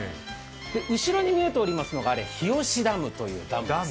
後ろに見えておりますのが日吉ダムです。